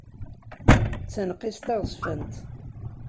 D taneqqist taɣezzfant.